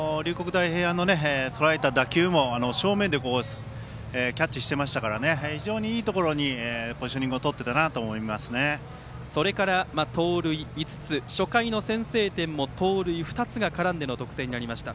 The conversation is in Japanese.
大平安のとらえた打球も正面でキャッチしていましたから非常にいいところにポジショニングをとっていたとそれから、盗塁５つ初回の先制点も盗塁２つが絡んでの得点でした。